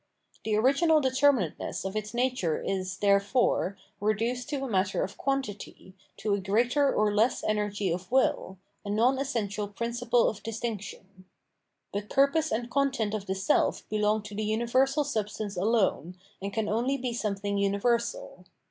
The original determinateness of its nature is, therefore, reduced to a matter of quantity, to a greater or less energy of will, a non essential principle of distinc tion. But purpose and content of the self belong to the universal substance alone, and can o^y be something universal.